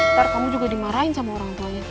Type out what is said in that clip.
ntar kamu juga dimarahin sama orang tuanya